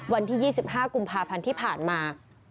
วันที่๒๕กุมภาพันธ์ที่ผ่านมา